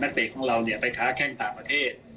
เตะของเราเนี่ยไปค้าแข้งต่างประเทศ